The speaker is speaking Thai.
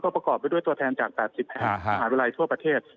ประกอบไปด้วยตัวแทนจาก๘๐แห่งมหาวิทยาลัยทั่วประเทศ